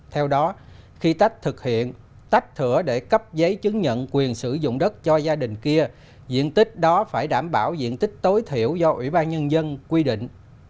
theo đó khi tách thực hiện tách thửa để cấp giấy chứng nhận quyền sử dụng đất cho gia đình kia diện tích đó phải đảm bảo diện tích tối thiểu do ủy ban nhân dân quy định